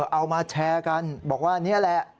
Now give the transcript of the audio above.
เอามาแชร์กันบอกว่านี่แหละ